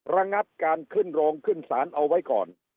ระงับการขึ้นโรงขึ้นศาลเอาไว้ก่อน